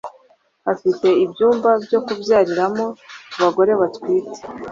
afite ibyumba byo kubyariramo ku bagore batwite